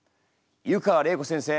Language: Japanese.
湯川れい子先生